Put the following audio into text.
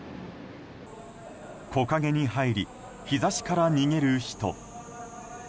木陰に入り日差しから逃げる人。